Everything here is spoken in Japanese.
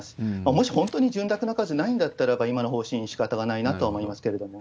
もし本当に潤沢な数ないんだったらば、今の方針、しかたがないなと思いますけれども。